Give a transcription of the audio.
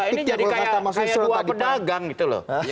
ini jadi kayak buah pedagang gitu loh